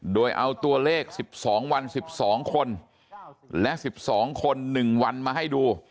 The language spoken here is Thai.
โดยเอาตัวเลข๑๒วัน๑๒คนและ๑๒คน๑วันมาให้ดู